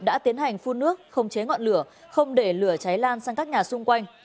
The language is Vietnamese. đã tiến hành phun nước không chế ngọn lửa không để lửa cháy lan sang các nhà xung quanh